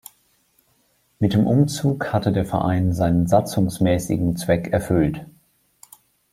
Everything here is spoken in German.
Mit dem Umzug hatte der Verein seinen satzungsmäßigen Zweck erfüllt.